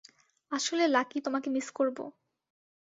আসলে, লাকি, তোমাকে মিস করব।